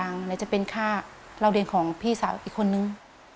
ในจะเป็นค่าราวเรียนของพี่สาวอีกคนนึง